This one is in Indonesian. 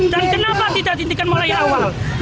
dan kenapa tidak dindikan mulai awal